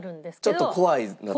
ちょっと怖いなと？